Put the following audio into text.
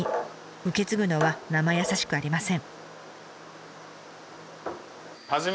受け継ぐのはなまやさしくありません。